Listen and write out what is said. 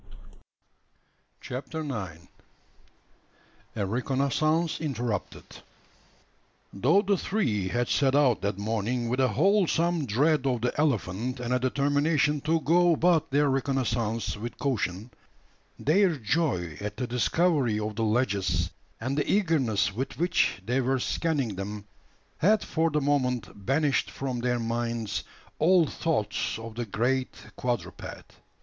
CHAPTER NINE. A RECONNOISSANCE INTERRUPTED. Though the three had set out that morning with a wholesome dread of the elephant, and a determination to go about their reconnoissance with caution, their joy at the discovery of the ledges, and the eagerness with which they were scanning them, had for the moment banished from their minds all thoughts of the great quadruped.